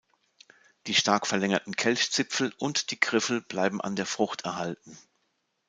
Die stark verlängerten Kelchzipfel und die Griffel bleiben an der Frucht erhalten.